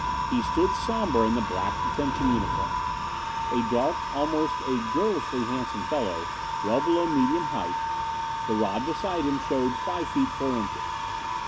He stood somber in the black detention uniform. A dark, almost a girlishly handsome fellow, well below medium height the rod beside him showed five feet four inches.